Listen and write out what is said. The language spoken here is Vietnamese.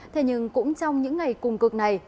thế nhưng cũng trong những ngày cùng cực này